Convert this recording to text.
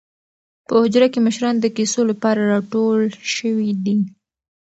په حجره کې مشران د کیسو لپاره راټول شوي دي.